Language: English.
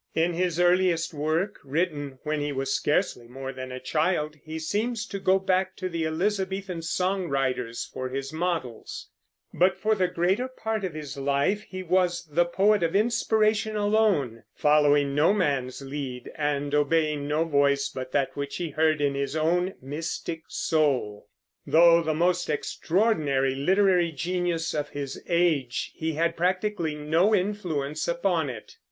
In his earliest work, written when he was scarcely more than a child, he seems to go back to the Elizabethan song writers for his models; but for the greater part of his life he was the poet of inspiration alone, following no man's lead, and obeying no voice but that which he heard in his own mystic soul. Though the most extraordinary literary genius of his age, he had practically no influence upon it.